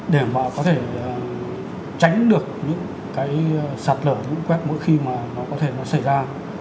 để mà có thể tránh được những cái sạt lở lũ quét mỗi khi mà nó có thể nó xảy ra